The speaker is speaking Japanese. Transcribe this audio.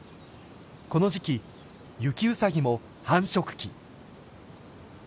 この時期ユキウサギも繁殖期。